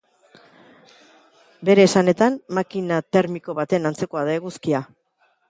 Bere esanetan, makina termiko baten antzekoa da Eguzkia.